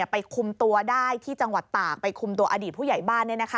คุมตัวได้ที่จังหวัดตากไปคุมตัวอดีตผู้ใหญ่บ้าน